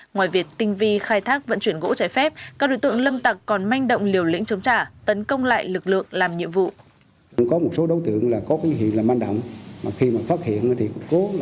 ngoài việc tinh vi khai thác vận chuyển gỗ trái phép các đối tượng lâm tặc còn manh động liều lĩnh chống trả tấn công lại lực lượng làm nhiệm vụ